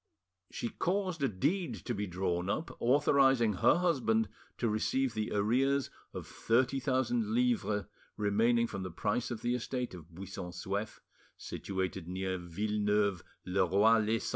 She caused a deed to be drawn up, authorising her husband to receive the arrears of thirty thousand livres remaining from the price of the estate of Buisson Souef, situated near Villeneuve le Roi lez Sens.